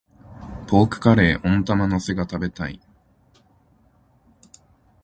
ポークカレー、温玉乗せが食べたい。